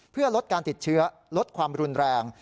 เพื่อลดการติดเชื้อลดความรุนแรง